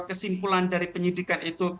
kesimpulan dari penyidikan itu